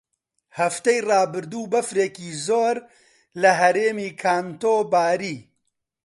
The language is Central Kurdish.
هەفتەی ڕابردوو بەفرێکی زۆر لە هەرێمی کانتۆ باری.